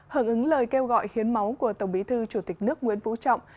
hận ứng lời kêu gọi hiến máu của tổng bí thư chủ tịch nước nguyễn vũ trọng